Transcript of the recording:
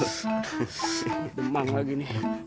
demam lagi nih